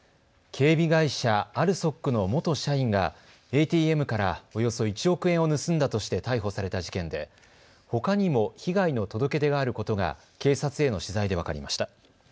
警備会社、ＡＬＳＯＫの元社員がＡＴＭからおよそ１億円を盗んだとして逮捕された事件でほかにも被害の届け出があることが警察への取材で分かりました。